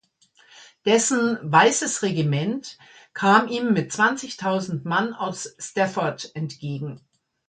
Dessen "Weißes Regiment" kam ihm mit zwanzigtausend Mann aus Staffort entgegen.